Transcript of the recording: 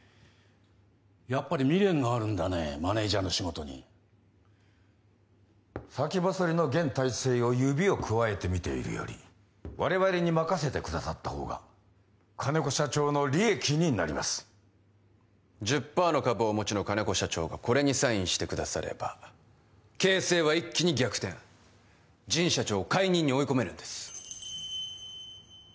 やっぱり未練があるんだねマネージャーの仕事に先細りの現体制を指をくわえて見ているより我々に任せてくださった方が金子社長の利益になります１０％の株をお持ちの金子社長がこれにサインしてくだされば形勢は一気に逆転神社長を解任に追い込めるんです